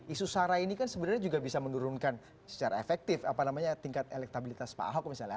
isu sara ini kan sebenarnya juga bisa menurunkan secara efektif apa namanya tingkat elektabilitas pak ahok misalnya